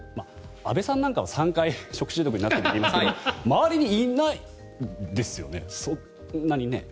安部さんなんかは、３回食中毒になったといいますけど周りにいないんですよね？